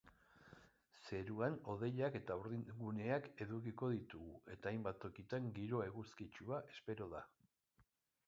Zeruan hodeiak eta urdinguneak edukiko ditugu eta hainbat tokitan giro eguzkitsua espero da.